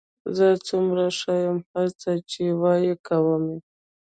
زه څومره ښه یم، هر څه چې وایې کوم یې.